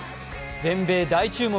全米大注目